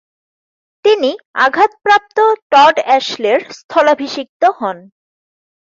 তিনি আঘাতপ্রাপ্ত টড অ্যাশলে’র স্থলাভিষিক্ত হন।